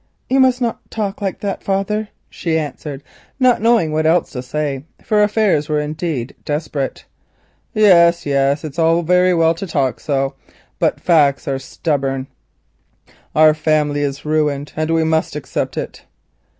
"You must not talk like that, father," she answered, not knowing what to say, for affairs were indeed desperate. "Yes, yes, it's all very well to talk so, but facts are stubborn. Our family is ruined, and we must accept it."